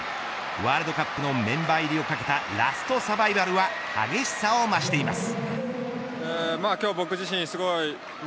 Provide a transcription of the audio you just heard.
ワールドカップのメンバー入りを懸けたラストサバイバルは激しさを増しています。